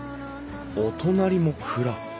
お隣も蔵。